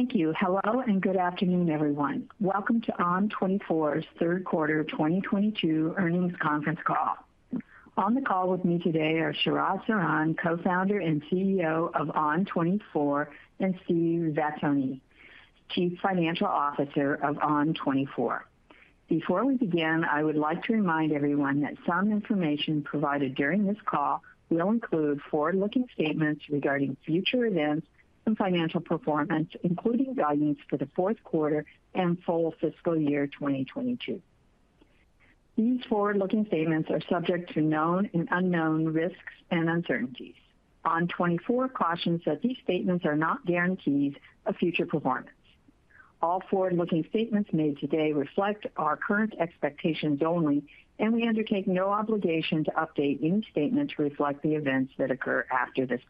Thank you. Hello, and good afternoon, everyone. Welcome to ON24's third quarter 2022 earnings conference call. On the call with me today are Sharat Sharan, Co-founder and CEO of ON24, and Steve Vattuone, Chief Financial Officer of ON24. Before we begin, I would like to remind everyone that some information provided during this call will include forward-looking statements regarding future events and financial performance, including guidance for the fourth quarter and full fiscal year 2022. These forward-looking statements are subject to known and unknown risks and uncertainties. ON24 cautions that these statements are not guarantees of future performance. All forward-looking statements made today reflect our current expectations only, and we undertake no obligation to update any statement to reflect the events that occur after this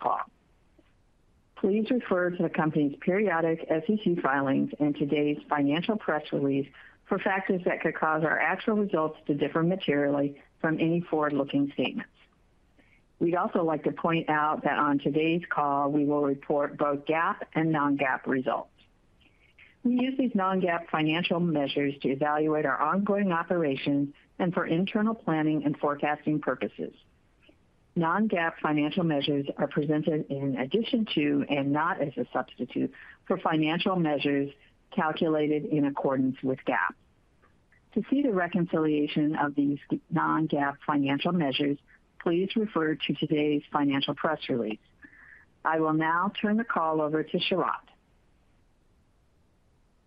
call. Please refer to the company's periodic SEC filings and today's financial press release for factors that could cause our actual results to differ materially from any forward-looking statements. We'd also like to point out that on today's call, we will report both GAAP and non-GAAP results. We use these non-GAAP financial measures to evaluate our ongoing operations and for internal planning and forecasting purposes. Non-GAAP financial measures are presented in addition to and not as a substitute for financial measures calculated in accordance with GAAP. To see the reconciliation of these non-GAAP financial measures, please refer to today's financial press release. I will now turn the call over to Sharat.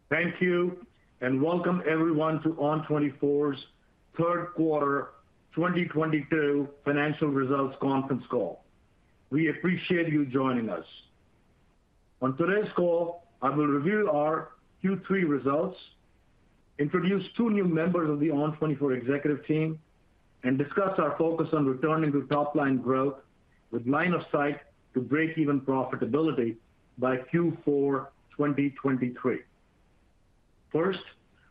Thank you, and welcome everyone to ON24's third quarter 2022 financial results conference call. We appreciate you joining us. On today's call, I will review our Q3 results, introduce two new members of the ON24 executive team, and discuss our focus on returning to top-line growth with line of sight to break-even profitability by Q4 2023. First,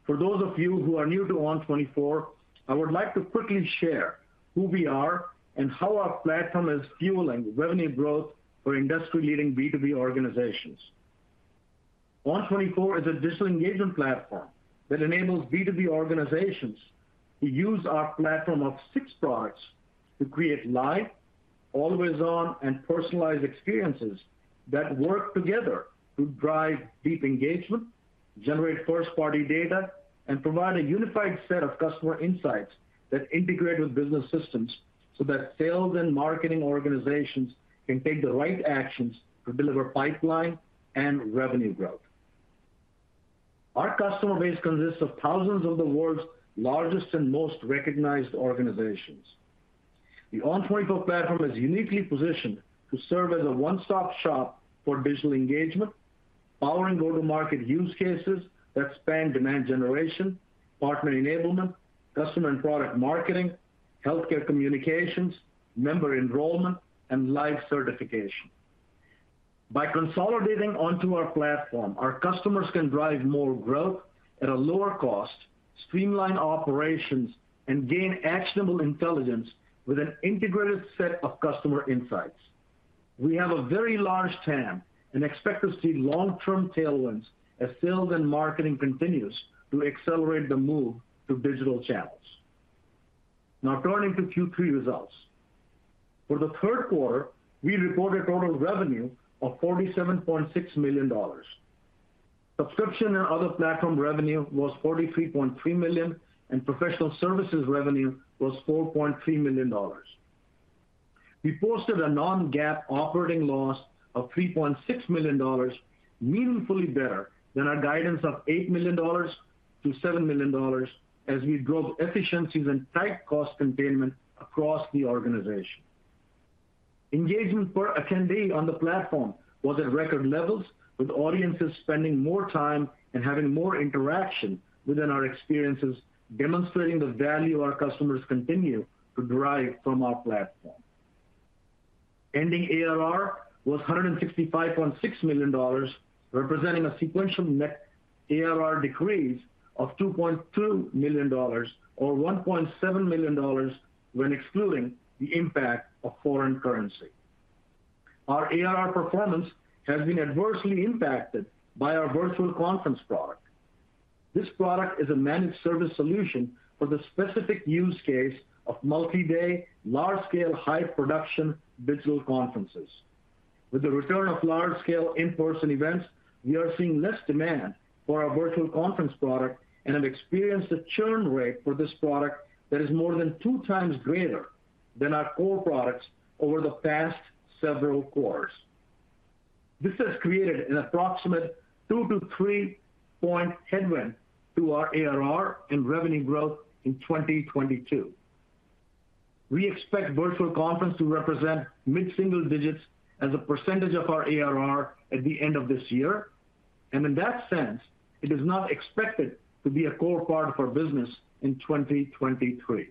for those of you who are new to ON24, I would like to quickly share who we are and how our platform is fueling revenue growth for industry-leading B2B organizations. ON24 is a digital engagement platform that enables B2B organizations to use our platform of six products to create live, always-on, and personalized experiences that work together to drive deep engagement, generate first-party data, and provide a unified set of customer insights that integrate with business systems so that sales and marketing organizations can take the right actions to deliver pipeline and revenue growth. Our customer base consists of thousands of the world's largest and most recognized organizations. The ON24 platform is uniquely positioned to serve as a one-stop shop for digital engagement, powering go-to-market use cases that span demand generation, partner enablement, customer and product marketing, healthcare communications, member enrollment, and live certification. By consolidating onto our platform, our customers can drive more growth at a lower cost, streamline operations, and gain actionable intelligence with an integrated set of customer insights. We have a very large TAM and expect to see long-term tailwinds as sales and marketing continues to accelerate the move to digital channels. Now turning to Q3 results. For the third quarter, we reported total revenue of $47.6 million. Subscription and other platform revenue was $43.3 million, and professional services revenue was $4.3 million. We posted a non-GAAP operating loss of $3.6 million, meaningfully better than our guidance of $8 million-$7 million as we drove efficiencies and tight cost containment across the organization. Engagement per attendee on the platform was at record levels, with audiences spending more time and having more interaction within our experiences, demonstrating the value our customers continue to derive from our platform. Ending ARR was $165.6 million, representing a sequential net ARR decrease of $2.2 million or $1.7 million when excluding the impact of foreign currency. Our ARR performance has been adversely impacted by our Virtual Conference product. This product is a managed service solution for the specific use case of multi-day, large-scale, high production digital conferences. With the return of large-scale in-person events, we are seeing less demand for our Virtual Conference product and have experienced a churn rate for this product that is more than two times greater than our core products over the past several quarters. This has created an approximate two to three point headwind to our ARR and revenue growth in 2022. We expect Virtual Conference to represent mid-single digits as a percentage of our ARR at the end of this year. In that sense, it is not expected to be a core part of our business in 2023.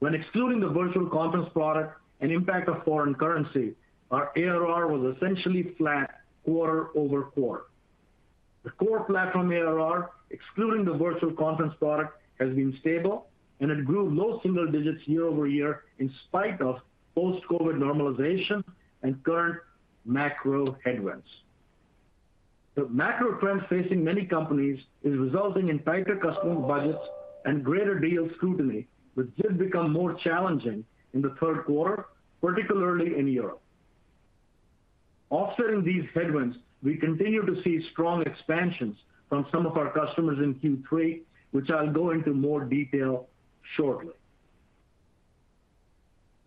When excluding the virtual conference product and impact of foreign currency, our ARR was essentially flat quarter-over-quarter. The core platform ARR, excluding the virtual conference product, has been stable and it grew low single digits year-over-year in spite of post-COVID normalization and current macro headwinds. The macro trends facing many companies is resulting in tighter customer budgets and greater deal scrutiny, which did become more challenging in the third quarter, particularly in Europe. Offsetting these headwinds, we continue to see strong expansions from some of our customers in Q3, which I'll go into more detail shortly.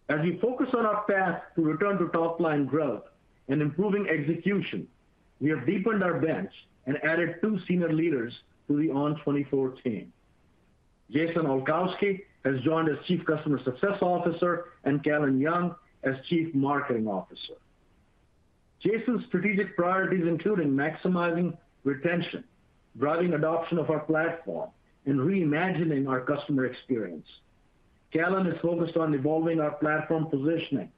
As we focus on our path to return to top-line growth and improving execution, we have deepened our bench and added two senior leaders to the ON24 team. Jason Olkowski has joined as Chief Customer Success Officer, and Callan Young as Chief Marketing Officer. Jason's strategic priorities include maximizing retention, driving adoption of our platform, and reimagining our customer experience. Callan is focused on evolving our platform positioning,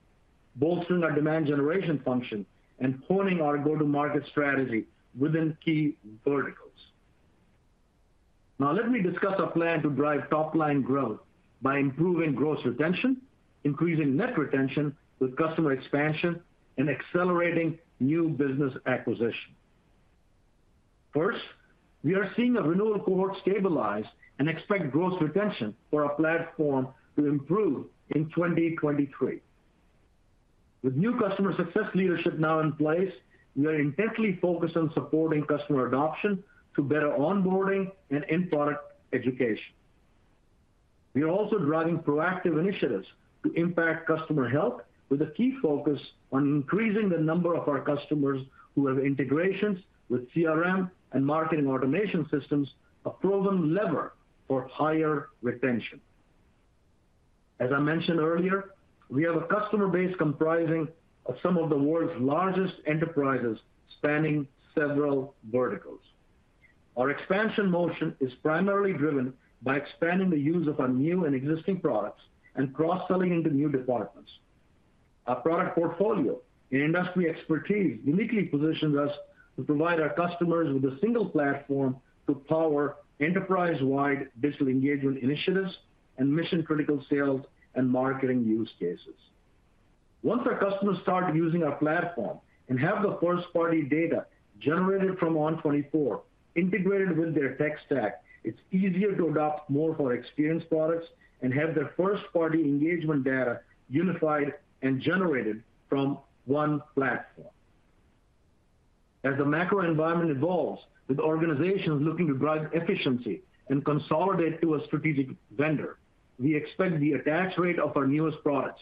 bolstering our demand generation function, and honing our go-to-market strategy within key verticals. Now let me discuss our plan to drive top-line growth by improving gross retention, increasing net retention with customer expansion, and accelerating new business acquisition. First, we are seeing our renewal cohort stabilize and expect gross retention for our platform to improve in 2023. With new customer success leadership now in place, we are intensely focused on supporting customer adoption through better onboarding and in-product education. We are also driving proactive initiatives to impact customer health with a key focus on increasing the number of our customers who have integrations with CRM and marketing automation systems, a proven lever for higher retention. As I mentioned earlier, we have a customer base comprising of some of the world's largest enterprises spanning several verticals. Our expansion motion is primarily driven by expanding the use of our new and existing products and cross-selling into new departments. Our product portfolio and industry expertise uniquely positions us to provide our customers with a single platform to power enterprise-wide digital engagement initiatives and mission-critical sales and marketing use cases. Once our customers start using our platform and have the first-party data generated from ON24 integrated with their tech stack, it's easier to adopt more of our experience products and have their first-party engagement data unified and generated from one platform. As the macro environment evolves, with organizations looking to drive efficiency and consolidate to a strategic vendor, we expect the attach rate of our newest products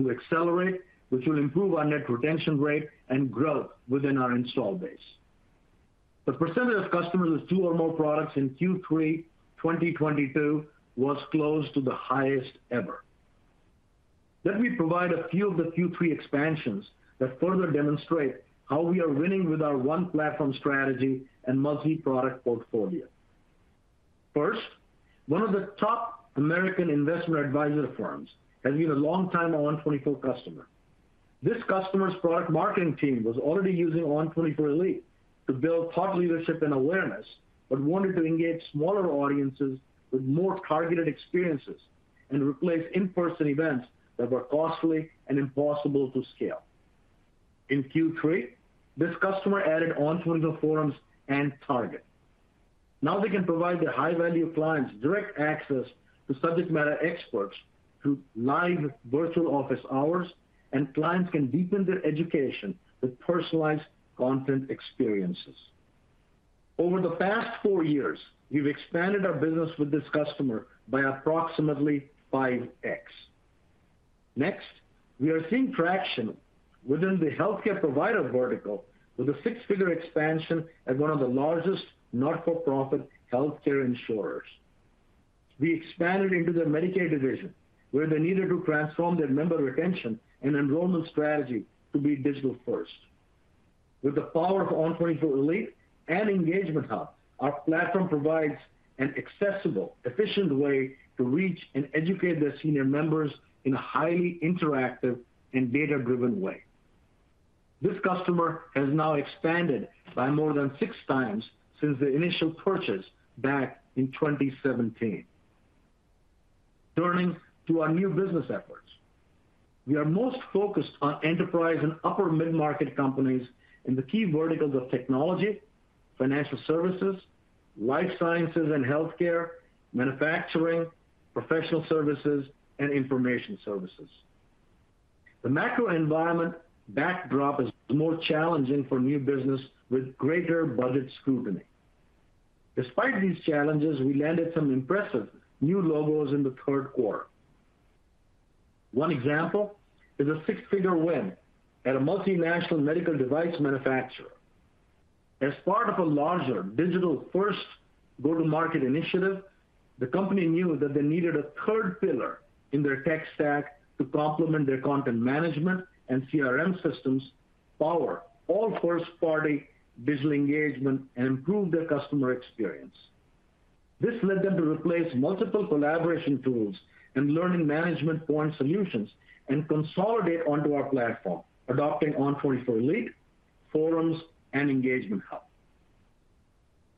to accelerate, which will improve our net retention rate and growth within our installed base. The percentage of customers with two or more products in Q3 2022 was close to the highest ever. Let me provide a few of the Q3 expansions that further demonstrate how we are winning with our one platform strategy and multi-product portfolio. First, one of the top American investment advisor firms has been a long-time ON24 customer. This customer's product marketing team was already using ON24 Elite to build thought leadership and awareness, but wanted to engage smaller audiences with more targeted experiences and replace in-person events that were costly and impossible to scale. In Q3, this customer added ON24 Forums and Target. Now they can provide their high-value clients direct access to subject matter experts through live virtual office hours, and clients can deepen their education with personalized content experiences. Over the past four years, we've expanded our business with this customer by approximately 5x. Next, we are seeing traction within the healthcare provider vertical with a six-figure expansion at one of the largest not-for-profit healthcare insurers. We expanded into their Medicaid division, where they needed to transform their member retention and enrollment strategy to be digital-first. With the power of ON24 Elite and Engagement Hub, our platform provides an accessible, efficient way to reach and educate their senior members in a highly interactive and data-driven way. This customer has now expanded by more than 6x since their initial purchase back in 2017. Turning to our new business efforts. We are most focused on enterprise and upper mid-market companies in the key verticals of technology, financial services, life sciences and healthcare, manufacturing, professional services, and information services. The macro environment backdrop is more challenging for new business with greater budget scrutiny. Despite these challenges, we landed some impressive new logos in the third quarter. One example is a six-figure win at a multinational medical device manufacturer. As part of a larger digital-first go-to-market initiative, the company knew that they needed a third pillar in their tech stack to complement their content management and CRM systems, power all first-party digital engagement, and improve their customer experience. This led them to replace multiple collaboration tools and learning management point solutions and consolidate onto our platform, adopting ON24 Lead, Forums, and Engagement Hub.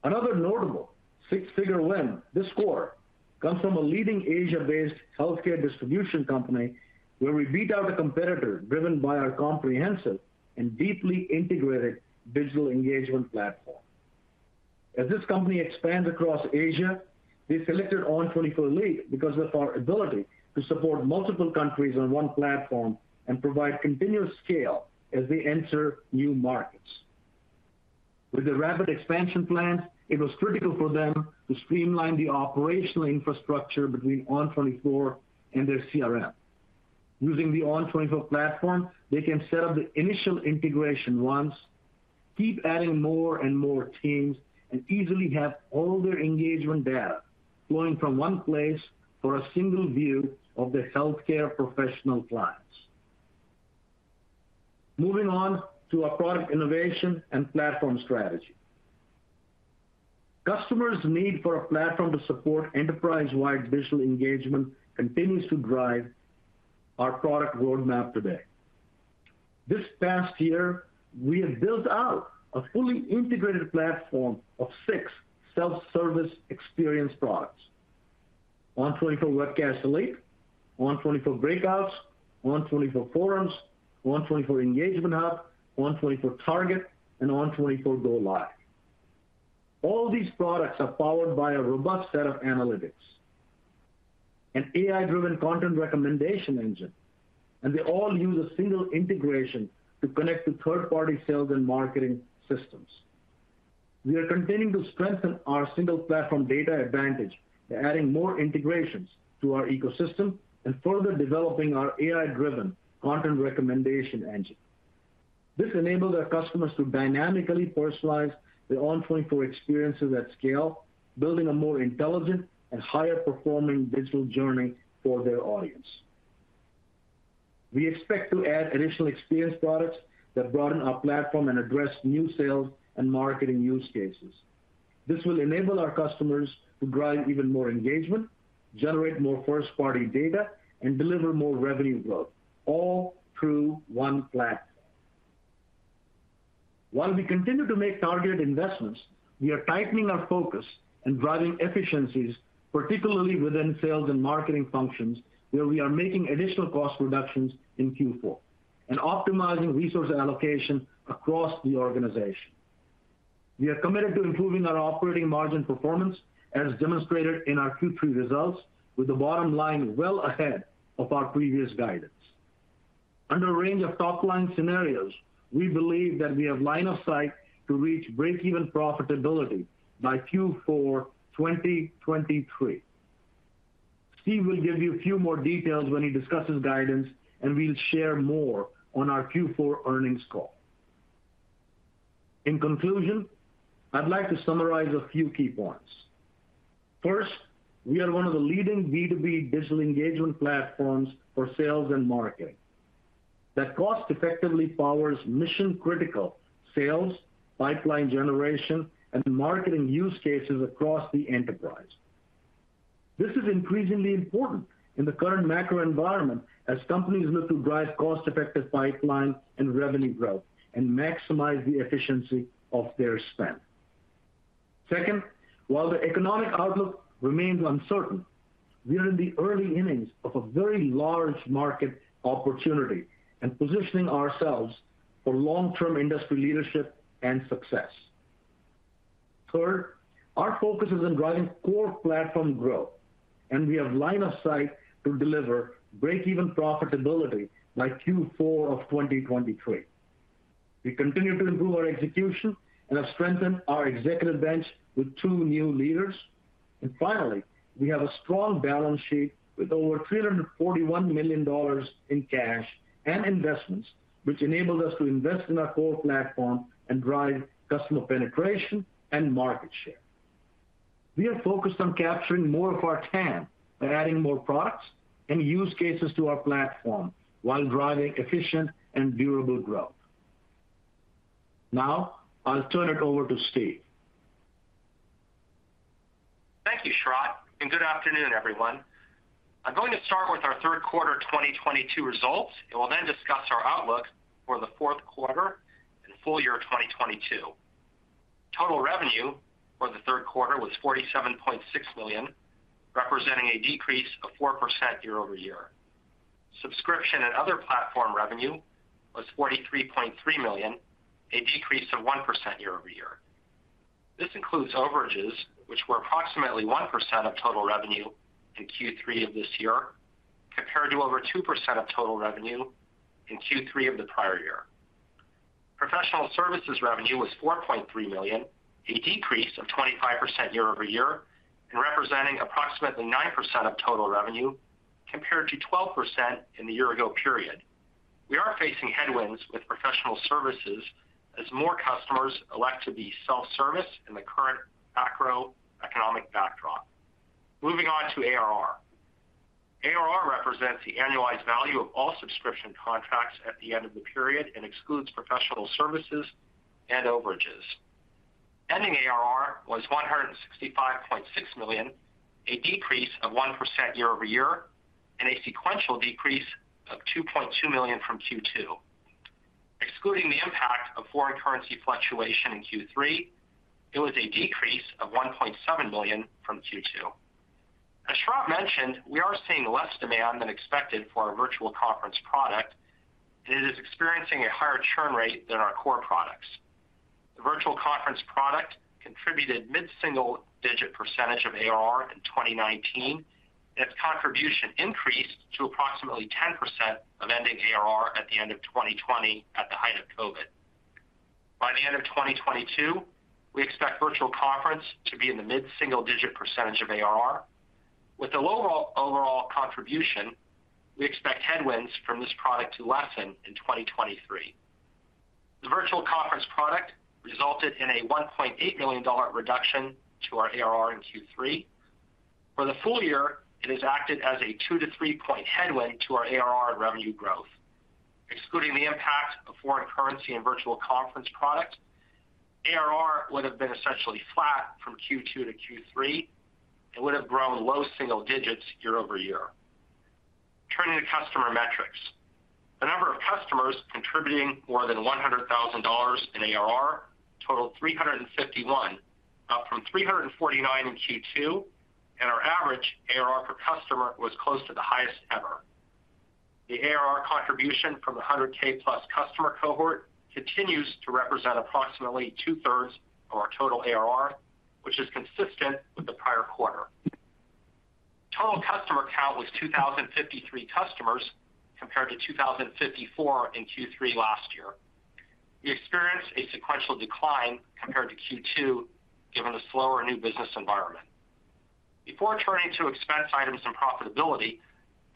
Another notable six-figure win, this score comes from a leading Asia-based healthcare distribution company where we beat out a competitor driven by our comprehensive and deeply integrated digital engagement platform. As this company expands across Asia, they selected ON24 Lead because of our ability to support multiple countries on one platform and provide continuous scale as they enter new markets. With the rapid expansion plan, it was critical for them to streamline the operational infrastructure between ON24 and their CRM. Using the ON24 platform, they can set up the initial integration once, keep adding more and more teams, and easily have all their engagement data flowing from one place for a single view of their healthcare professional clients. Moving on to our product innovation and platform strategy. Customers' need for a platform to support enterprise-wide digital engagement continues to drive our product roadmap today. This past year, we have built out a fully integrated platform of six self-service experience products. ON24 Webcast Elite, ON24 Breakouts, ON24 Forums, ON24 Engagement Hub, ON24 Target, and ON24 Go Live. All these products are powered by a robust set of analytics, an AI-driven content recommendation engine, and they all use a single integration to connect to third-party sales and marketing systems. We are continuing to strengthen our single platform data advantage by adding more integrations to our ecosystem and further developing our AI-driven content recommendation engine. This enables our customers to dynamically personalize their ON24 experiences at scale, building a more intelligent and higher performing digital journey for their audience. We expect to add additional experience products that broaden our platform and address new sales and marketing use cases. This will enable our customers to drive even more engagement, generate more first-party data, and deliver more revenue growth, all through one platform. While we continue to make targeted investments, we are tightening our focus and driving efficiencies, particularly within sales and marketing functions, where we are making additional cost reductions in Q4 and optimizing resource allocation across the organization. We are committed to improving our operating margin performance, as demonstrated in our Q3 results, with the bottom line well ahead of our previous guidance. Under a range of top-line scenarios, we believe that we have line of sight to reach breakeven profitability by Q4 2023. Steve will give you a few more details when he discusses guidance, and we'll share more on our Q4 earnings call. In conclusion, I'd like to summarize a few key points. First, we are one of the leading B2B digital engagement platforms for sales and marketing that cost-effectively powers mission-critical sales, pipeline generation, and marketing use cases across the enterprise. This is increasingly important in the current macro environment as companies look to drive cost-effective pipeline and revenue growth and maximize the efficiency of their spend. Second, while the economic outlook remains uncertain, we are in the early innings of a very large market opportunity and positioning ourselves for long-term industry leadership and success. Third, our focus is on driving core platform growth, and we have line of sight to deliver breakeven profitability by Q4 of 2023. We continue to improve our execution and have strengthened our executive bench with two new leaders. Finally, we have a strong balance sheet with over $341 million in cash and investments, which enables us to invest in our core platform and drive customer penetration and market share. We are focused on capturing more of our TAM by adding more products and use cases to our platform while driving efficient and durable growth. Now I'll turn it over to Steve. Thank you, Sharat, and good afternoon, everyone. I'm going to start with our third quarter 2022 results, and we'll then discuss our outlook for the fourth quarter and full-year of 2022. Total revenue for the third quarter was $47.6 million, representing a decrease of 4% year-over-year. Subscription and other platform revenue was $43.3 million, a decrease of 1% year-over-year. This includes overages, which were approximately 1% of total revenue in Q3 of this year, compared to over 2% of total revenue in Q3 of the prior year. Professional services revenue was $4.3 million, a decrease of 25% year-over-year and representing approximately 9% of total revenue, compared to 12% in the year-ago period. We are facing headwinds with professional services as more customers elect to be self-service in the current macroeconomic backdrop. Moving on to ARR. ARR represents the annualized value of all subscription contracts at the end of the period and excludes professional services and overages. Ending ARR was $165.6 million, a decrease of 1% year-over-year and a sequential decrease of $2.2 million from Q2. Excluding the impact of foreign currency fluctuation in Q3, it was a decrease of $1.7 million from Q2. As Sharat mentioned, we are seeing less demand than expected for our virtual conference product, and it is experiencing a higher churn rate than our core products. The virtual conference product contributed mid-single digit percentage of ARR in 2019. Its contribution increased to approximately 10% of ending ARR at the end of 2020 at the height of COVID. By the end of 2022, we expect virtual conference to be in the mid-single-digit percentage of ARR. With the low overall contribution, we expect headwinds from this product to lessen in 2023. The virtual conference product resulted in a $1.8 million reduction to our ARR in Q3. For the full year, it has acted as a two to three point headwind to our ARR revenue growth. Excluding the impact of foreign currency and virtual conference product, ARR would have been essentially flat from Q2 to Q3 and would have grown low single digits year-over-year. Turning to customer metrics. The number of customers contributing more than $100,000 in ARR totaled 351, up from 349 in Q2, and our average ARR per customer was close to the highest ever. The ARR contribution from the 100,000+ customer cohort continues to represent approximately 2/3 of our total ARR, which is consistent with the prior quarter. Total customer count was 2,053 customers, compared to 2,054 in Q3 last year. We experienced a sequential decline compared to Q2, given the slower new business environment. Before turning to expense items and profitability,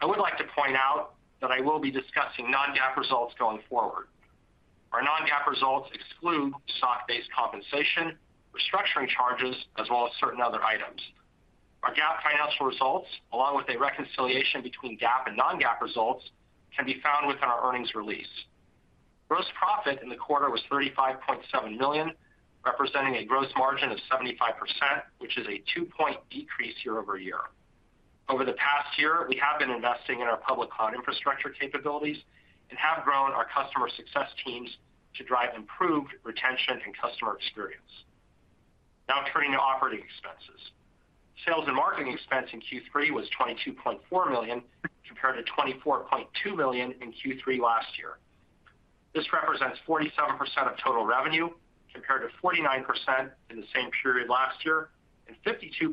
I would like to point out that I will be discussing non-GAAP results going forward. Our non-GAAP results exclude stock-based compensation, restructuring charges, as well as certain other items. Our GAAP financial results, along with a reconciliation between GAAP and non-GAAP results, can be found within our earnings release. Gross profit in the quarter was $35.7 million, representing a gross margin of 75%, which is a two-point decrease year-over-year. Over the past year, we have been investing in our public cloud infrastructure capabilities and have grown our customer success teams to drive improved retention and customer experience. Now turning to operating expenses. Sales and marketing expense in Q3 was $22.4 million, compared to $24.2 million in Q3 last year. This represents 47% of total revenue, compared to 49% in the same period last year and 52%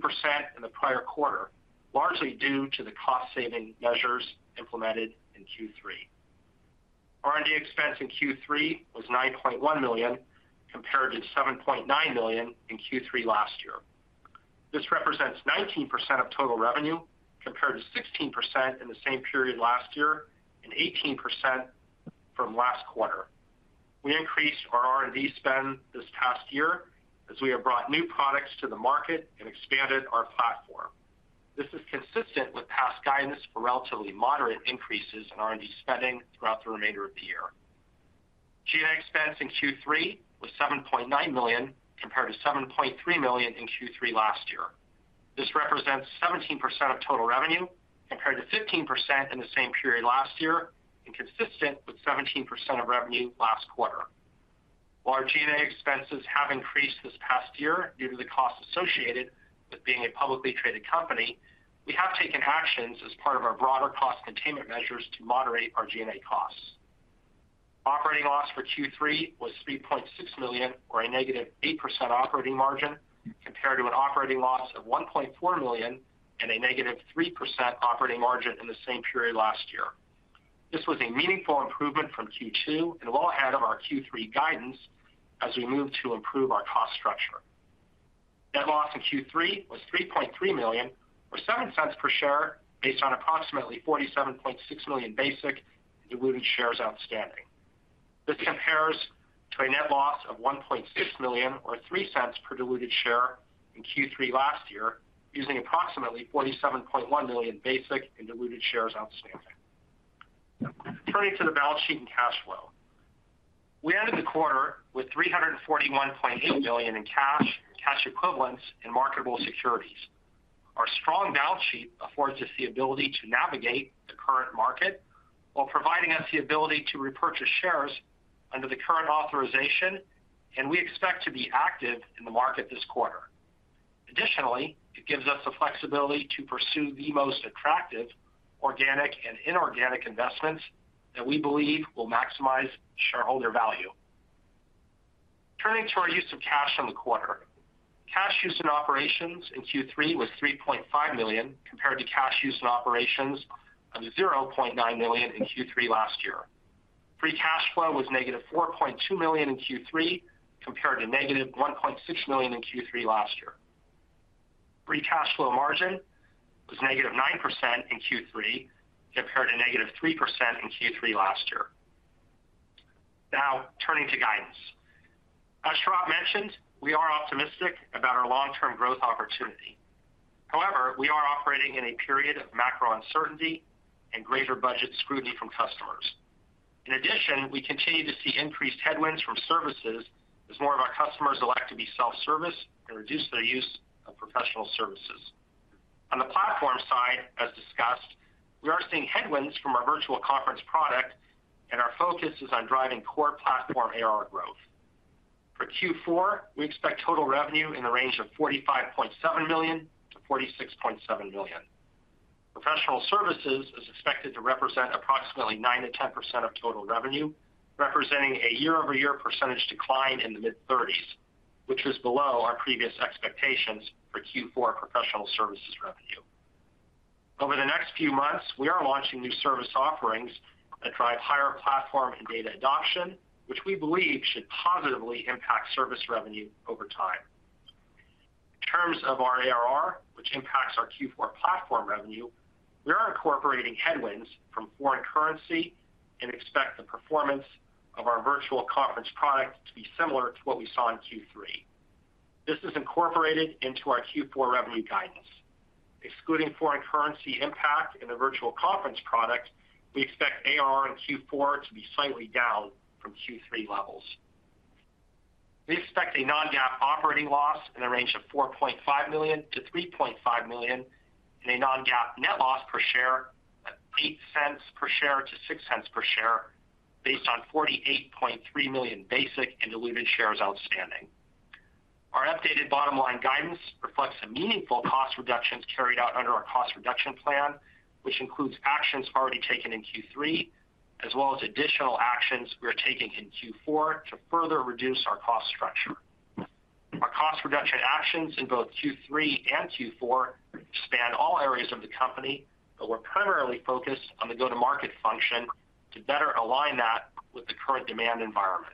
in the prior quarter, largely due to the cost saving measures implemented in Q3. R&D expense in Q3 was $9.1 million, compared to $7.9 million in Q3 last year. This represents 19% of total revenue, compared to 16% in the same period last year and 18% from last quarter. We increased our R&D spend this past year as we have brought new products to the market and expanded our platform. This is consistent with past guidance for relatively moderate increases in R&D spending throughout the remainder of the year. G&A expense in Q3 was $7.9 million, compared to $7.3 million in Q3 last year. This represents 17% of total revenue, compared to 15% in the same period last year and consistent with 17% of revenue last quarter. While our G&A expenses have increased this past year due to the cost associated with being a publicly traded company, we have taken actions as part of our broader cost containment measures to moderate our G&A costs. Operating loss for Q3 was $3.6 million or a -8% operating margin, compared to an operating loss of $1.4 million and a -3% operating margin in the same period last year. This was a meaningful improvement from Q2 and well ahead of our Q3 guidance as we move to improve our cost structure. Net loss in Q3 was $3.3 million or $0.07 per share based on approximately 47.6 million basic and diluted shares outstanding. This compares to a net loss of $1.6 million or $0.03 per diluted share in Q3 last year, using approximately 47.1 million basic and diluted shares outstanding. Turning to the balance sheet and cash flow. We ended the quarter with $341.8 million in cash equivalents, and marketable securities. Our strong balance sheet affords us the ability to navigate the current market while providing us the ability to repurchase shares under the current authorization, and we expect to be active in the market this quarter. Additionally, it gives us the flexibility to pursue the most attractive organic and inorganic investments that we believe will maximize shareholder value. Turning to our use of cash on the quarter. Cash use in operations in Q3 was $3.5 million, compared to cash use in operations of $0.9 million in Q3 last year. Free cash flow was -$4.2 million in Q3, compared to -$1.6 million in Q3 last year. Free cash flow margin was -9% in Q3, compared to -3% in Q3 last year. Now turning to guidance. As mentioned, we are optimistic about our long-term growth opportunity. However, we are operating in a period of macro uncertainty and greater budget scrutiny from customers. In addition, we continue to see increased headwinds from services as more of our customers elect to be self-service and reduce their use of professional services. On the platform side, as discussed, we are seeing headwinds from our virtual conference product and our focus is on driving core platform ARR growth. For Q4, we expect total revenue in the range of $45.7 million-$46.7 million. Professional services is expected to represent approximately 9%-10% of total revenue, representing a year-over-year percentage decline in the mid-30s, which is below our previous expectations for Q4 professional services revenue. Over the next few months, we are launching new service offerings that drive higher platform and data adoption, which we believe should positively impact service revenue over time. In terms of our ARR, which impacts our Q4 platform revenue, we are incorporating headwinds from foreign currency and expect the performance of our virtual conference product to be similar to what we saw in Q3. This is incorporated into our Q4 revenue guidance. Excluding foreign currency impact in the virtual conference product, we expect ARR in Q4 to be slightly down from Q3 levels. We expect a non-GAAP operating loss in the range of $4.5 million-$3.5 million, and a non-GAAP net loss per share of $0.08-$0.06 based on 48.3 million basic and diluted shares outstanding. Our updated bottom-line guidance reflects the meaningful cost reductions carried out under our cost reduction plan, which includes actions already taken in Q3 as well as additional actions we are taking in Q4 to further reduce our cost structure. Our cost reduction actions in both Q3 and Q4 span all areas of the company, but we're primarily focused on the go-to-market function to better align that with the current demand environment.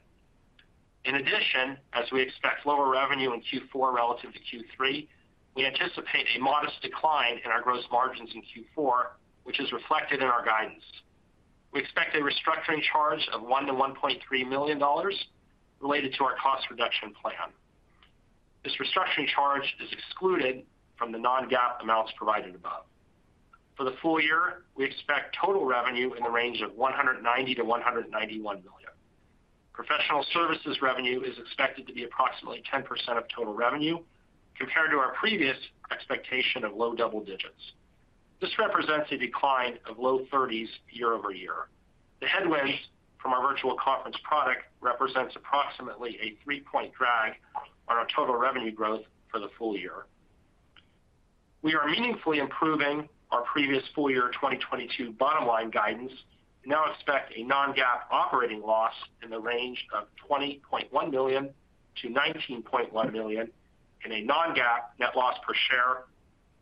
In addition, as we expect lower revenue in Q4 relative to Q3, we anticipate a modest decline in our gross margins in Q4, which is reflected in our guidance. We expect a restructuring charge of $1 million-$1.3 million related to our cost reduction plan. This restructuring charge is excluded from the non-GAAP amounts provided above. For the full year, we expect total revenue in the range of $190 million-$191 million. Professional services revenue is expected to be approximately 10% of total revenue compared to our previous expectation of low double digits. This represents a decline of low 30s year-over-year. The headwinds from our virtual conference product represents approximately a three-point drag on our total revenue growth for the full year. We are meaningfully improving our previous full-year 2022 bottom-line guidance and now expect a non-GAAP operating loss in the range of $20.1 million-$19.1 million, and a non-GAAP net loss per share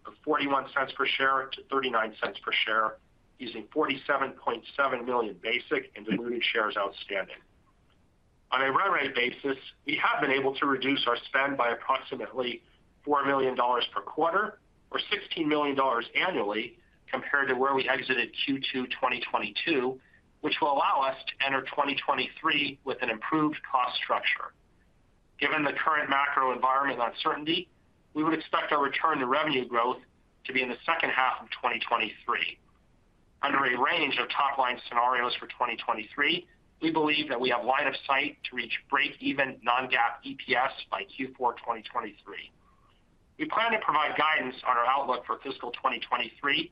of $0.41 per share to $0.39 per share using 47.7 million basic and diluted shares outstanding. On a run rate basis, we have been able to reduce our spend by approximately $4 million per quarter or $16 million annually compared to where we exited Q2 2022, which will allow us to enter 2023 with an improved cost structure. Given the current macro environment uncertainty, we would expect our return to revenue growth to be in the second half of 2023. Under a range of top-line scenarios for 2023, we believe that we have line of sight to reach breakeven non-GAAP EPS by Q4 2023. We plan to provide guidance on our outlook for fiscal 2023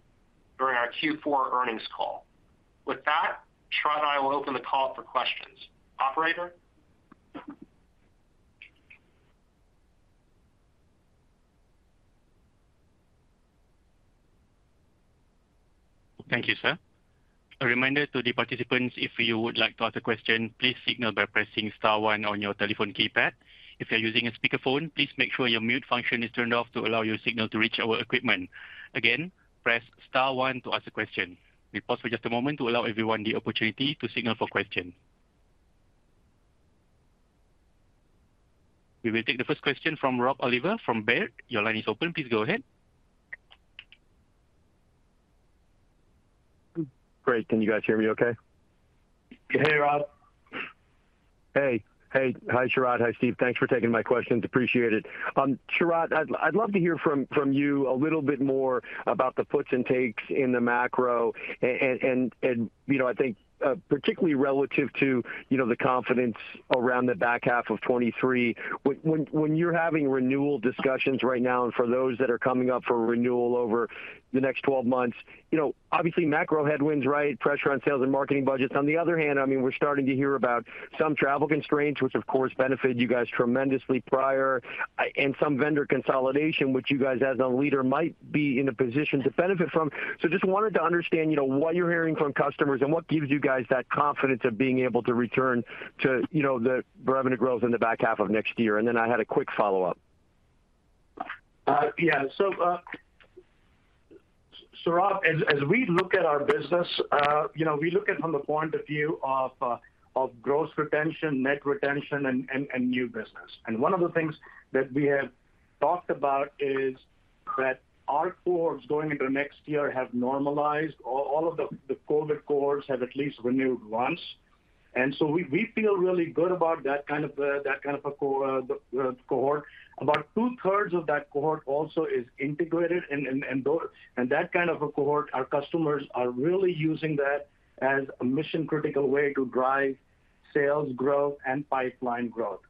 during our Q4 earnings call. With that, Sharat and I will open the call for questions. Operator? Thank you, sir. A reminder to the participants, if you would like to ask a question, please signal by pressing star one on your telephone keypad. If you're using a speakerphone, please make sure your mute function is turned off to allow your signal to reach our equipment. Again, press star one to ask a question. We pause for just a moment to allow everyone the opportunity to signal for question. We will take the first question from Rob Oliver from Baird. Your line is open. Please go ahead. Great. Can you guys hear me okay? Can hear you, Rob. Hey. Hey. Hi, Sharat. Hi, Steve. Thanks for taking my questions. Appreciate it. Sharat, I'd love to hear from you a little bit more about the puts and takes in the macro and, you know, I think particularly relative to, you know, the confidence around the back half of 2023. When you're having renewal discussions right now and for those that are coming up for renewal over the next 12 months, you know, obviously macro headwinds, right, pressure on sales and marketing budgets. On the other hand, I mean, we're starting to hear about some travel constraints, which of course benefited you guys tremendously prior and some vendor consolidation, which you guys as a leader might be in a position to benefit from. Just wanted to understand, you know, what you're hearing from customers and what gives you guys that confidence of being able to return to, you know, the revenue growth in the back half of next year. Then I had a quick follow-up. Yeah, Rob, as we look at our business, you know, we look at from the point of view of gross retention, net retention, and new business. One of the things that we have talked about is That our cohorts going into next year have normalized. All of the COVID cohorts have at least renewed once. We feel really good about that kind of cohort. About two-thirds of that cohort also is integrated and those. That kind of a cohort, our customers are really using that as a mission-critical way to drive sales growth and pipeline growth.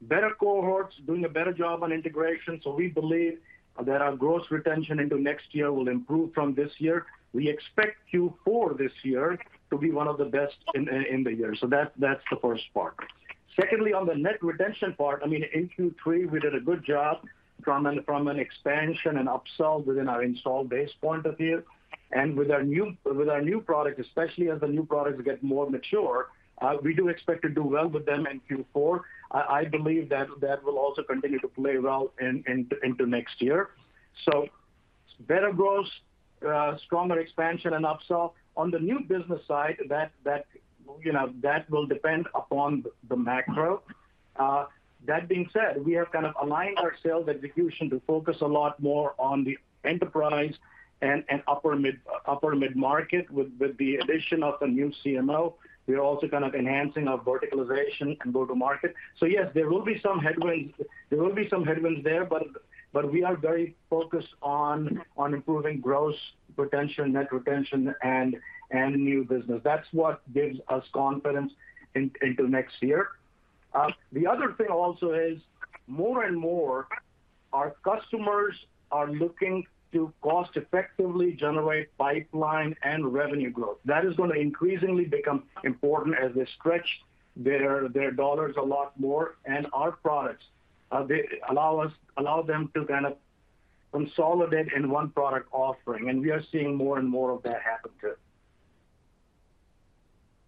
Better cohorts doing a better job on integration, so we believe that our gross retention into next year will improve from this year. We expect Q4 this year to be one of the best in the year. That's the first part. Secondly, on the net retention part, I mean, in Q3 we did a good job from an expansion and upsell within our installed base point of view. With our new product, especially as the new products get more mature, we do expect to do well with them in Q4. I believe that will also continue to play well into next year. Better gross, stronger expansion and upsell. On the new business side, that you know that will depend upon the macro. That being said, we have kind of aligned our sales execution to focus a lot more on the enterprise and upper mid-market. With the addition of the new CMO, we're also kind of enhancing our verticalization and go-to-market. Yes, there will be some headwinds there, but we are very focused on improving gross retention, net retention, and new business. That's what gives us confidence into next year. The other thing also is more and more our customers are looking to cost effectively generate pipeline and revenue growth. That is gonna increasingly become important as they stretch their dollars a lot more. Our products, they allow us, allow them to kind of consolidate in one product offering, and we are seeing more and more of that happen too.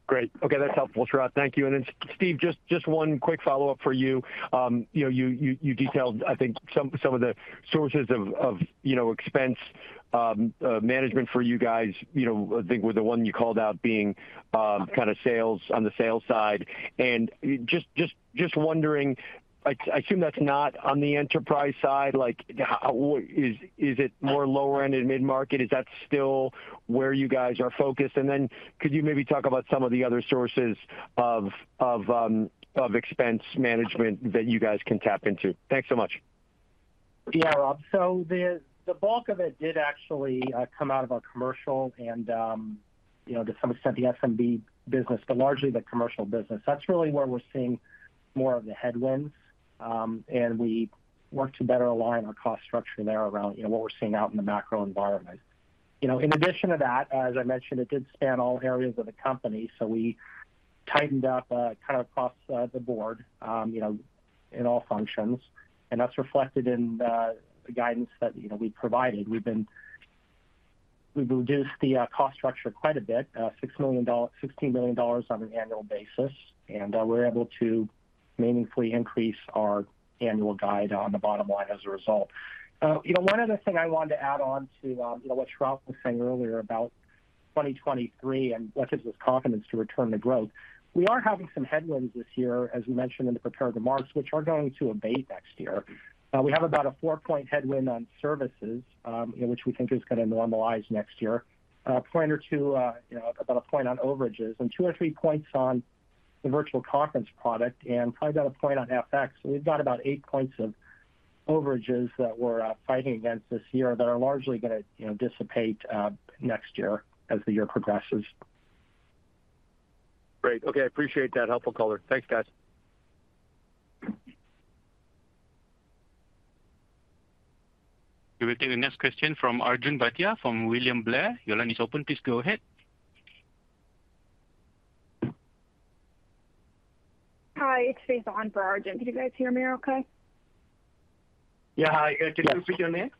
Great. Okay, that's helpful, Sharat. Thank you. Steve, just one quick follow-up for you. You know, you detailed I think some of the sources of, you know, expense management for you guys. You know, I think with the one you called out being kind of sales on the sales side. Just wondering, I assume that's not on the enterprise side. Is it more lower end and mid-market? Is that still where you guys are focused? Could you maybe talk about some of the other sources of expense management that you guys can tap into? Thanks so much. Yeah, Rob. The bulk of it did actually come out of our commercial and, you know, to some extent the SMB business, but largely the commercial business. That's really where we're seeing more of the headwinds, and we work to better align our cost structure there around, you know, what we're seeing out in the macro environment. You know, in addition to that, as I mentioned, it did span all areas of the company, so we tightened up kind of across the board, you know, in all functions. That's reflected in the guidance that, you know, we provided. We've reduced the cost structure quite a bit, $16 million on an annual basis. We're able to meaningfully increase our annual guide on the bottom line as a result. You know, one other thing I wanted to add on to, you know, what Sharat was saying earlier about 2023 and what gives us confidence to return to growth. We are having some headwinds this year, as we mentioned in the prepared remarks, which are going to abate next year. We have about a four-point headwind on services, which we think is gonna normalize next year. A point or two, you know, about a point on overages, and two or four points on the virtual conference product, and probably about a point on FX. We've got about eight points of overages that we're fighting against this year that are largely gonna, you know, dissipate next year as the year progresses. Great. Okay. I appreciate that helpful color. Thanks, guys. We will take the next question from Arjun Bhatia from William Blair. Your line is open. Please go ahead. Hi, it's Faith on for Arjun. Can you guys hear me okay? Yeah. Hi, can you please state your name?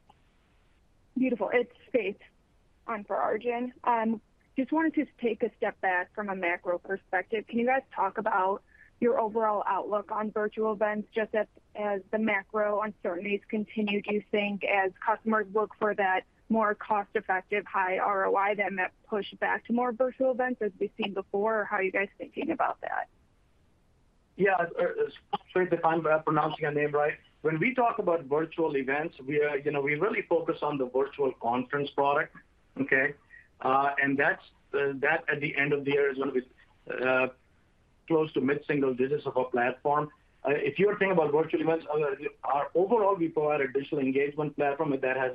Beautiful. It's Faith on for Arjun. Just wanted to take a step back from a macro perspective. Can you guys talk about your overall outlook on virtual events? Just as the macro uncertainties continue, do you think as customers look for that more cost-effective, high ROI, then that push back to more virtual events as we've seen before? Or how are you guys thinking about that? Yeah. Sorry if I'm pronouncing your name right. When we talk about virtual events, we are, you know, we really focus on the virtual conference product. Okay? And that's that at the end of the year is gonna be close to mid-single digits of our platform. If you're thinking about virtual events, our overall we provide a digital engagement platform that has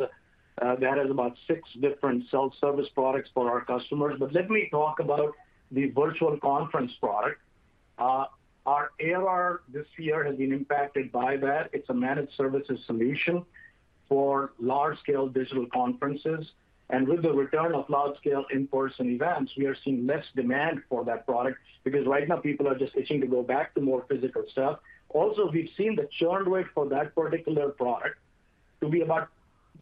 about six different self-service products for our customers. Let me talk about the virtual conference product. Our ARR this year has been impacted by that. It's a managed services solution for large-scale digital conferences. With the return of large-scale in-person events, we are seeing less demand for that product because right now people are just itching to go back to more physical stuff. Also, we've seen the churn rate for that particular product to be about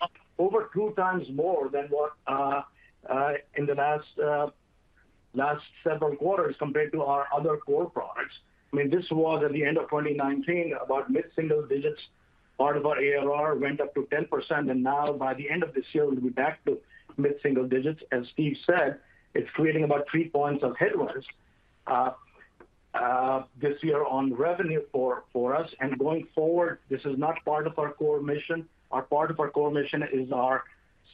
up over two times more than what in the last several quarters compared to our other core products. I mean, this was at the end of 2019 about mid-single digits. Part of our ARR went up to 10%, and now by the end of this year, we'll be back to mid-single digits. As Steve said, it's creating about three points of headwinds. This year on revenue for us and going forward, this is not part of our core mission. A part of our core mission is our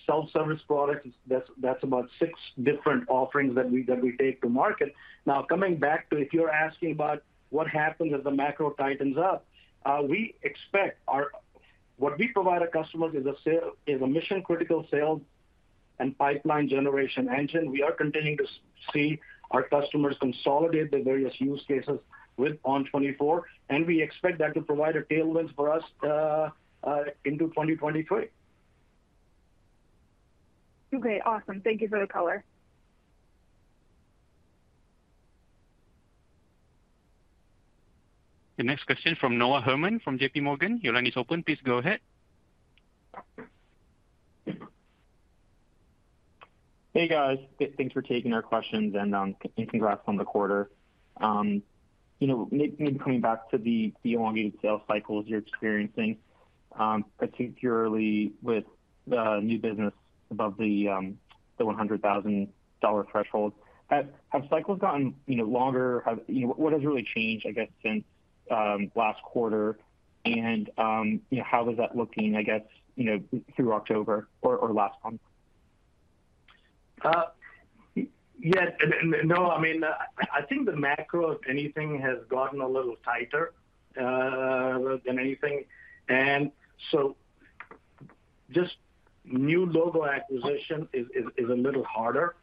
self-service product. That's about six different offerings that we take to market. Now, coming back to if you're asking about what happens as the macro tightens up, we expect. What we provide our customers is a mission-critical sales and pipeline generation engine. We are continuing to see our customers consolidate their various use cases with ON24, and we expect that to provide a tailwind for us into 2023. Okay, awesome. Thank you for the color. The next question from Noah Herman from JPMorgan. Your line is open. Please go ahead. Hey, guys. Thanks for taking our questions and congrats on the quarter. You know, maybe coming back to the elongated sales cycles you're experiencing, particularly with new business above the $100,000 threshold. Have cycles gotten, you know, longer? What has really changed, I guess, since last quarter? You know, how is that looking, I guess, you know, through October or last month? Yes and no. I mean, I think the macro, if anything, has gotten a little tighter than anything. Just new logo acquisition is a little harder.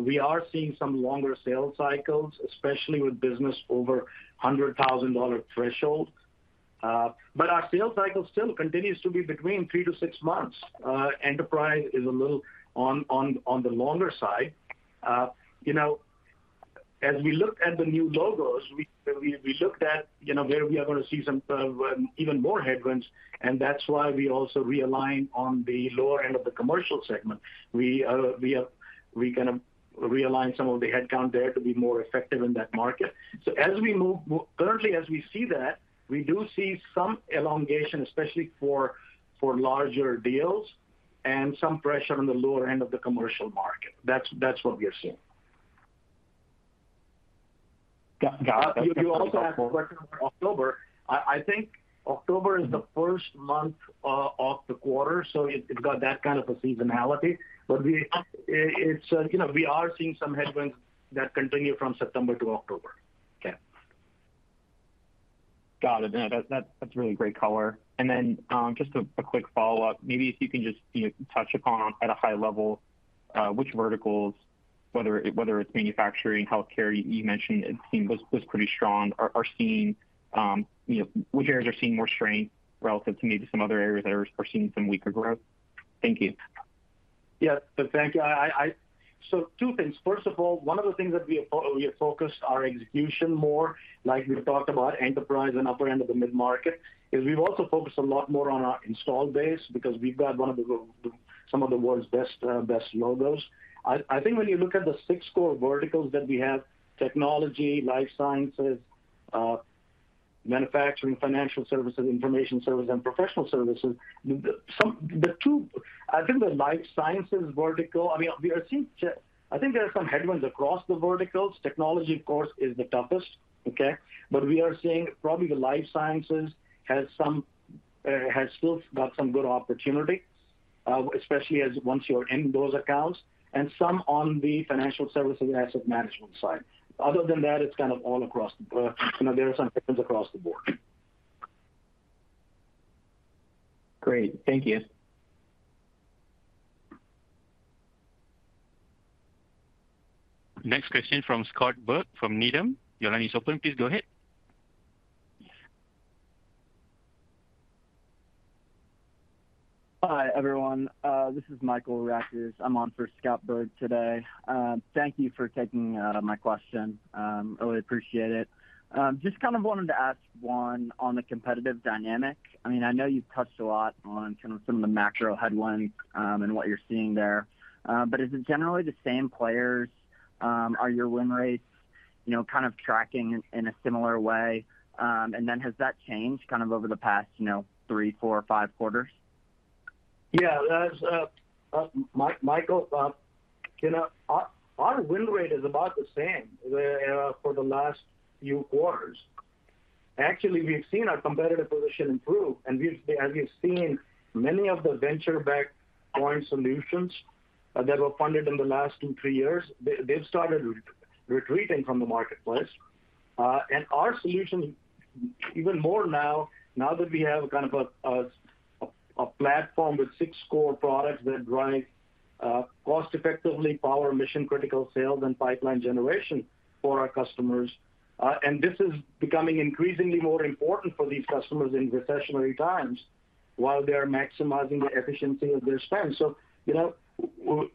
We are seeing some longer sales cycles, especially with business over $100,000 threshold. But our sales cycle still continues to be between three to six months. Enterprise is a little on the longer side. You know, as we look at the new logos, we looked at where we are gonna see some even more headwinds, and that's why we also realigned on the lower end of the commercial segment. We gonna realign some of the headcount there to be more effective in that market. As we move currently, as we see that, we do see some elongation, especially for larger deals and some pressure on the lower end of the commercial market. That's what we are seeing. Got it. That's helpful. You also had a question on October. I think October is the first month of the quarter, so it got that kind of a seasonality. It's, you know, we are seeing some headwinds that continue from September to October. Okay. Got it. No, that's really great color. Just a quick follow-up, maybe if you can just, you know, touch upon at a high level, which verticals, whether it's manufacturing, healthcare, you mentioned it seemed was pretty strong are seeing, you know. Which areas are seeing more strength relative to maybe some other areas that are seeing some weaker growth? Thank you. Yeah. Thank you. Two things. First of all, one of the things that we have focused our execution more, like we've talked about enterprise and upper end of the mid-market, is we've also focused a lot more on our installed base because we've got some of the world's best logos. I think when you look at the six core verticals that we have, technology, life sciences, manufacturing, financial services, information services, and professional services. I think the life sciences vertical, I mean, we are seeing. I think there are some headwinds across the verticals. Technology, of course, is the toughest. We are seeing probably the life sciences has still got some good opportunity, especially once you're in those accounts, and some on the financial services and asset management side. Other than that, it's kind of all across the board. You know, there are some trends across the board. Great. Thank you. Next question from Scott Berg from Needham. Your line is open. Please go ahead. Hi, everyone. This is Michael Rackers. I'm on for Scott Berg today. Thank you for taking my question. Really appreciate it. Just kind of wanted to ask, one, on the competitive dynamic. I mean, I know you've touched a lot on kind of some of the macro headlines, and what you're seeing there. Is it generally the same players? Are your win rates, you know, kind of tracking in a similar way? And then has that changed kind of over the past, you know, three, four, five quarters? Yeah. As Michael, you know, our win rate is about the same for the last few quarters. Actually, we've seen our competitive position improve, and we've seen many of the venture-backed point solutions that were funded in the last two, three years, they've started retreating from the marketplace. And our solution even more now that we have kind of a platform with six core products that drive cost-effectively power mission-critical sales and pipeline generation for our customers. And this is becoming increasingly more important for these customers in recessionary times while they are maximizing the efficiency of their spend. You know,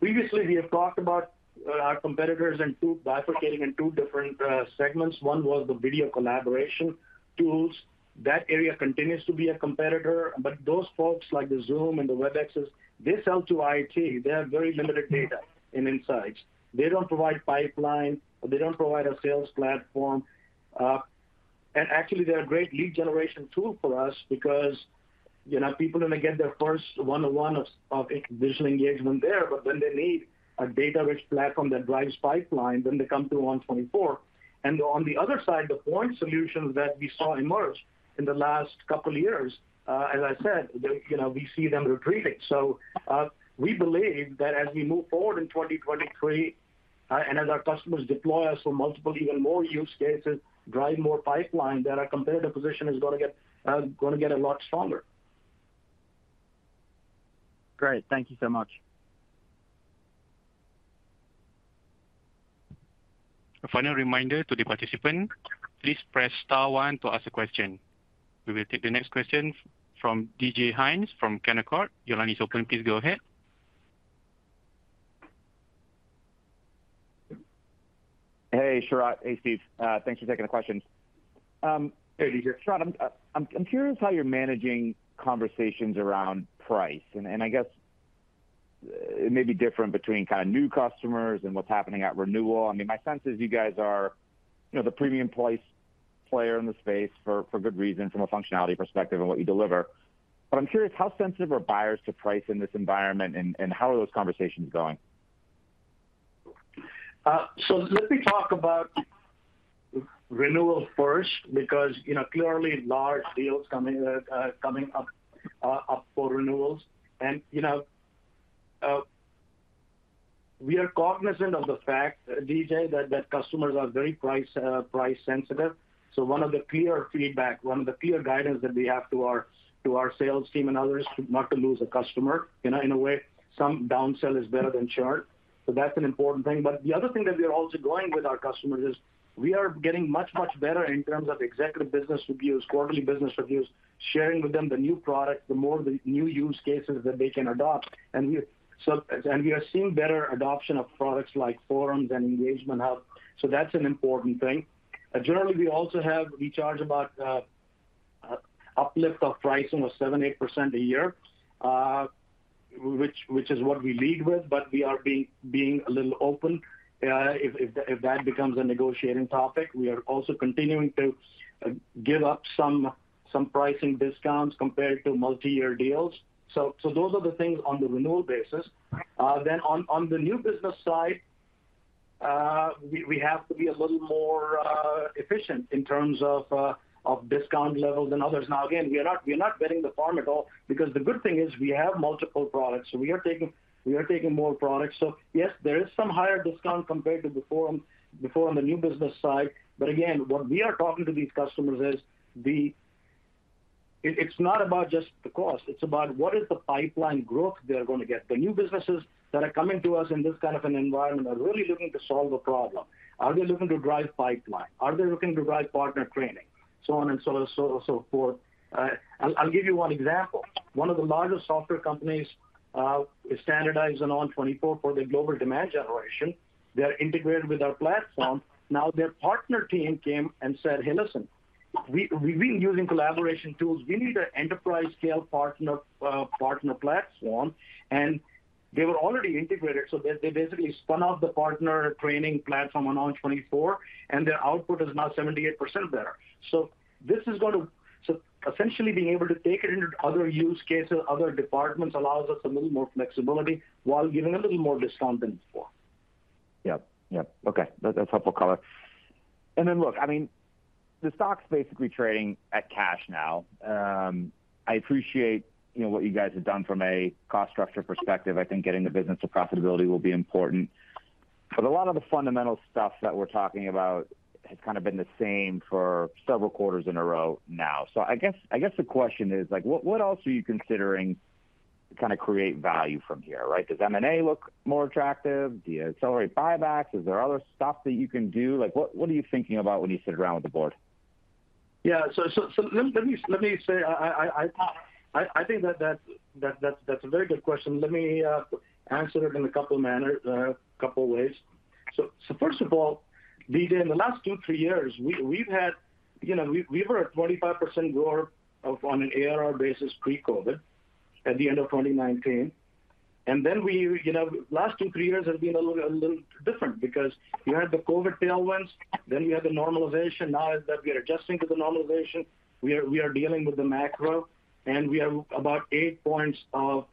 previously, we have talked about our competitors bifurcating in two different segments. One was the video collaboration tools. That area continues to be a competitor. Those folks, like the Zoom and the Webexes, they sell to IT. They have very limited data and insights. They don't provide pipeline. They don't provide a sales platform. And actually they're a great lead generation tool for us because, you know, people then they get their first one-on-one of initial engagement there, but then they need a data-rich platform that drives pipeline, then they come to ON24. On the other side, the point solutions that we saw emerge in the last couple of years, as I said, they, you know, we see them retreating. We believe that as we move forward in 2023, and as our customers deploy us for multiple even more use cases, drive more pipeline, that our competitive position is gonna get a lot stronger. Great. Thank you so much. A final reminder to the participant. Please press star one to ask a question. We will take the next question from DJ Hynes from Canaccord. Your line is open. Please go ahead. Hey, Sharat. Hey, Steve. Thanks for taking the questions. Hey, DJ. Sharat, I'm curious how you're managing conversations around price. I guess it may be different between kinda new customers and what's happening at renewal. I mean, my sense is you guys are, you know, the premium player in the space for good reason from a functionality perspective and what you deliver. I'm curious how sensitive are buyers to price in this environment and how are those conversations going? Let me talk about renewal first because, you know, clearly large deals coming up for renewals. You know, we are cognizant of the fact, DJ, that customers are very price sensitive. One of the clear feedback, one of the clear guidance that we have to our sales team and others is to not to lose a customer. You know, in a way, some down sell is better than churn. That's an important thing. The other thing that we are also growing with our customers is we are getting much better in terms of executive business reviews, quarterly business reviews, sharing with them the new product, the more the new use cases that they can adopt. We are seeing better adoption of products like Forums and Engagement Hub, so that's an important thing. Generally, we also have. We charge about an uplift of pricing of 78% a year, which is what we lead with, but we are being a little open if that becomes a negotiating topic. We are also continuing to give up some pricing discounts compared to multi-year deals. So those are the things on the renewal basis. Then on the new business side, we have to be a little more efficient in terms of discount levels than others. Now, again, we are not betting the farm at all because the good thing is we have multiple products. We are taking more products. Yes, there is some higher discount compared to before on the new business side. Again, what we are talking to these customers is, it's not about just the cost, it's about what is the pipeline growth they're gonna get. The new businesses that are coming to us in this kind of an environment are really looking to solve a problem. Are they looking to drive pipeline? Are they looking to drive partner training? On and so forth. I'll give you one example. One of the largest software companies is standardizing on ON24 for their global demand generation. They are integrated with our platform. Now, their partner team came and said, "Hey, listen. We've been using collaboration tools. We need an enterprise-scale partner platform." They were already integrated, so they basically spun off the partner training platform on ON24, and their output is now 78% better. Essentially being able to take it into other use cases, other departments allows us a little more flexibility while giving a little more discount than before. Yep. Okay. That's helpful color. Look, I mean, the stock's basically trading at cash now. I appreciate, you know, what you guys have done from a cost structure perspective. I think getting the business to profitability will be important. A lot of the fundamental stuff that we're talking about has kind of been the same for several quarters in a row now. I guess the question is like, what else are you considering to kind of create value from here, right? Does M&A look more attractive? Do you accelerate buybacks? Is there other stuff that you can do? Like what are you thinking about when you sit around with the board? Yeah. Let me say I think that's a very good question. Let me answer it in a couple of ways. First of all, DJ, in the last two, three years, we've had, you know, we were at 25% growth on an ARR basis pre-COVID at the end of 2019. Last two, three years have been a little different because you had the COVID tailwinds, then you had the normalization. Now that we are adjusting to the normalization, we are dealing with the macro, and we are about eight points of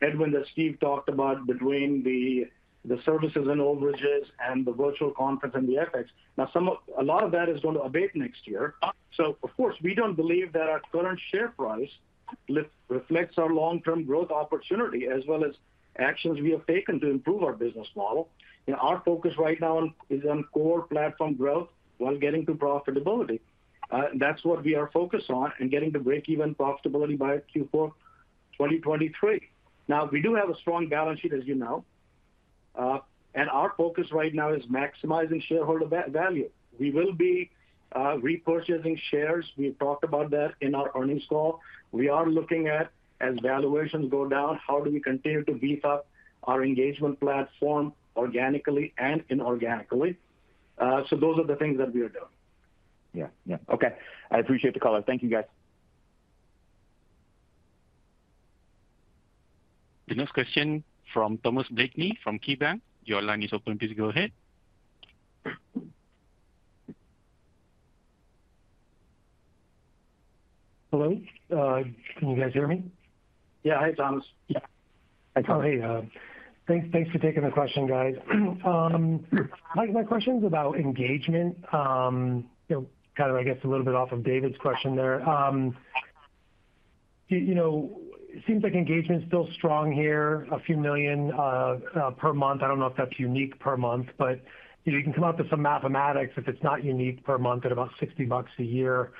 headwind that Steve talked about between the services and overages and the virtual conference and the FX. Some of A lot of that is going to abate next year. Of course, we don't believe that our current share price reflects our long-term growth opportunity as well as actions we have taken to improve our business model. You know, our focus right now is on core platform growth while getting to profitability. That's what we are focused on and getting to breakeven profitability by Q4 2023. Now, we do have a strong balance sheet, as you know. Our focus right now is maximizing shareholder value. We will be repurchasing shares. We talked about that in our earnings call. We are looking at, as valuations go down, how do we continue to beef up our engagement platform organically and inorganically. Those are the things that we are doing. Yeah. Yeah. Okay. I appreciate the call. Thank you, guys. The next question from Thomas Blakey from KeyBanc. Your line is open. Please go ahead. Hello? Can you guys hear me? Yeah. Hi, Thomas. Oh, hey. Thanks for taking the question, guys. My question's about engagement. You know, kind of, I guess, a little bit off of David's question there. You know, it seems like engagement's still strong here, a few million per month. I don't know if that's unique per month, but, you know, you can come up with some mathematics if it's not unique per month at about $60 a year,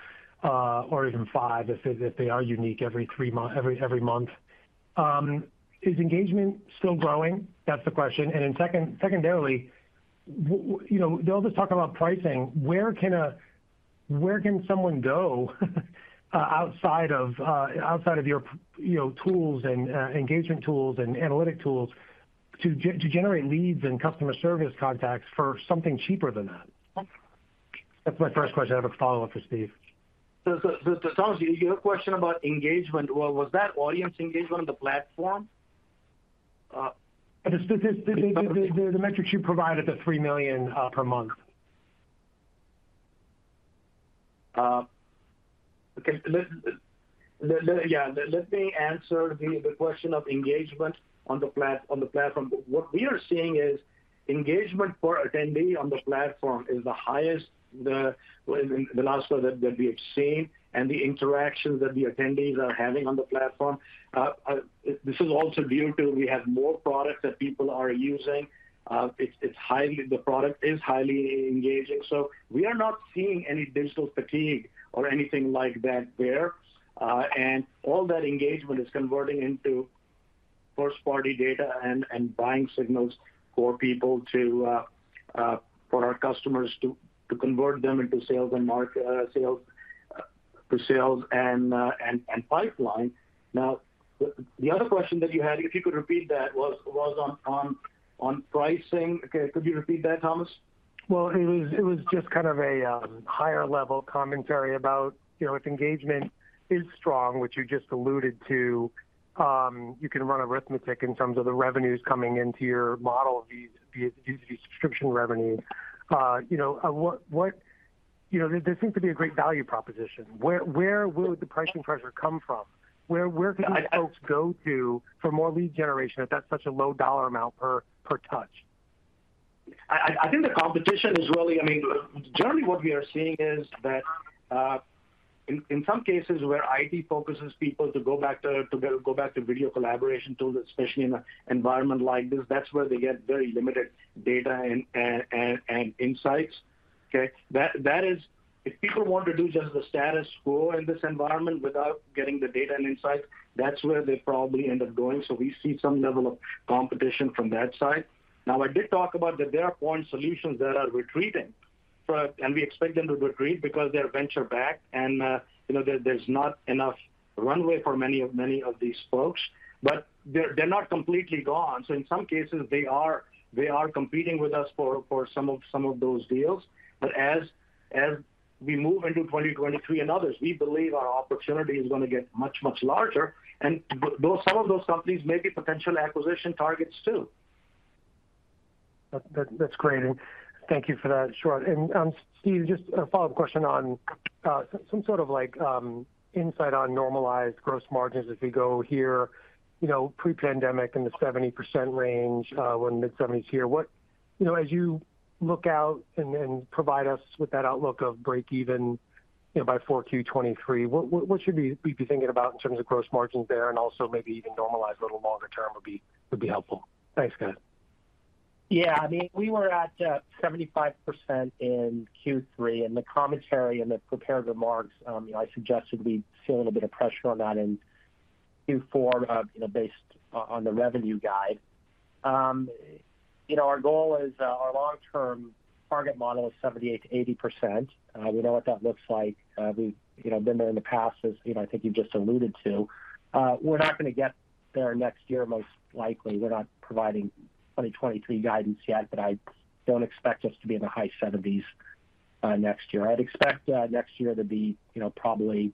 or even $5 if they are unique every three months, every month. Is engagement still growing? That's the question. Secondarily, you know, they'll just talk about pricing. Where can someone go outside of your, you know, tools and engagement tools and analytic tools to generate leads and customer service contacts for something cheaper than that? That's my first question. I have a follow-up for Steve. Thomas, your question about engagement, was that audience engagement on the platform? The metrics you provided, the $3 million per month. Let me answer the question of engagement on the platform. What we are seeing is engagement for attendee on the platform is the highest the last quarter that we have seen, and the interactions that the attendees are having on the platform. This is also due to we have more product that people are using. It's highly engaging. The product is highly engaging. We are not seeing any digital fatigue or anything like that there. All that engagement is converting into first-party data and buying signals for our customers to convert them into sales and marketing, to sales and pipeline. Now, the other question that you had, if you could repeat that, was on pricing. Okay. Could you repeat that, Thomas? Well, it was just kind of a higher level commentary about, you know, if engagement is strong, which you just alluded to, you can run arithmetic in terms of the revenues coming into your model, these subscription revenues. You know, what. You know, there seems to be a great value proposition. Where would the pricing pressure come from? Where could these folks go to for more lead generation if that's such a low dollar amount per touch? I think the competition is really. I mean, generally what we are seeing is that, in some cases where IT focuses people to go back to video collaboration tools, especially in an environment like this, that's where they get very limited data and insights. Okay. That is. If people want to do just the status quo in this environment without getting the data and insights, that's where they probably end up going. So we see some level of competition from that side. Now, I did talk about that there are point solutions that are retreating, but. We expect them to retreat because they're venture-backed and, you know, there's not enough runway for many of these folks. But they're not completely gone. In some cases, they are competing with us for some of those deals. As we move into 2023 and others, we believe our opportunity is gonna get much larger. Some of those companies may be potential acquisition targets too. That's great. Thank you for that, Sharat. Steve, just a follow-up question on some sort of like insight on normalized gross margins as we go here, you know, pre-pandemic in the 70% range or mid-70s here. You know, as you look out and provide us with that outlook of break even, you know, by 4Q 2023, what should we be thinking about in terms of gross margins there and also maybe even normalized a little longer term would be helpful. Thanks, guys. Yeah. I mean, we were at 75% in Q3, and the commentary and the prepared remarks, you know, I suggested we feel a little bit of pressure on that in Q4, you know, based on the revenue guide. You know, our goal is our long-term target model is 78%-80%. We know what that looks like. We've, you know, been there in the past as, you know, I think you just alluded to. We're not gonna get there next year, most likely. We're not providing 2023 guidance yet, but I don't expect us to be in the high 70s next year. I'd expect next year to be, you know, probably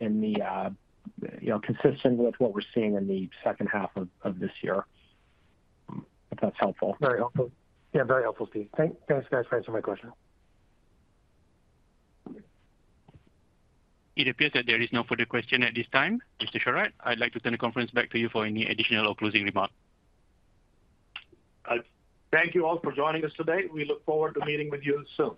in the, you know, consistent with what we're seeing in the second half of this year, if that's helpful. Very helpful. Yeah, very helpful, Steve. Thanks, guys, for answering my question. It appears that there is no further question at this time. Mr. Sharat, I'd like to turn the conference back to you for any additional or closing remarks. Thank you all for joining us today. We look forward to meeting with you soon.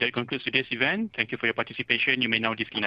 That concludes today's event. Thank you for your participation. You may now disconnect.